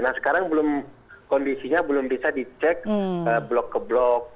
nah sekarang kondisinya belum bisa dicek blok ke blok